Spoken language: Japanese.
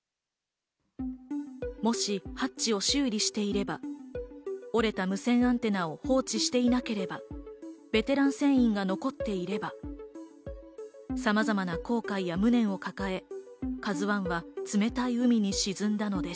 もし、ハッチを修理していれば、折れた無線アンテナを放置していなければ、ベテラン船員が残っていれば、さまざまな後悔や無念を抱え「ＫＡＺＵ１」は冷たい海に沈んだのです。